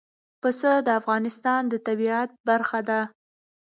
پسه د افغانستان د طبیعت برخه ده.